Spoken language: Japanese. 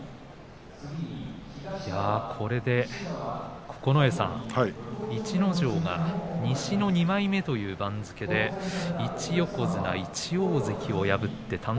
これで逸ノ城が西の２枚目という番付で１横綱１大関を破りました。